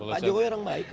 pak jokowi orang baik kok